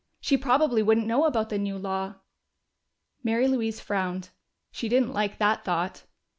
She probably wouldn't know about the new law." Mary Louise frowned: she didn't like that thought.